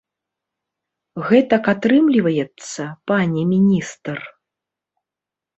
Гэтак атрымліваецца, пане міністр?